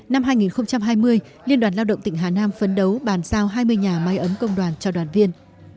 năm hai nghìn hai mươi liên đoàn lao động tỉnh hà nam phấn đấu bàn giao hai mươi nhà máy ấm công đoàn cho đoàn viên